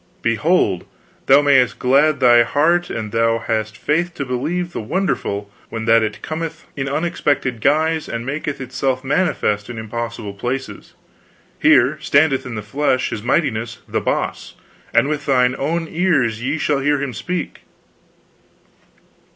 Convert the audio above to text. Behold, thou mayst glad thy heart an thou hast faith to believe the wonderful when that it cometh in unexpected guise and maketh itself manifest in impossible places here standeth in the flesh his mightiness The Boss, and with thine own ears shall ye hear him speak!"